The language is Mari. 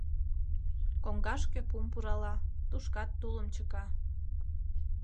Коҥгашке пум пурала, тушкат тулым чыка.